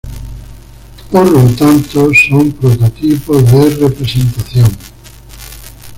Por lo tanto, son prototipos de representación.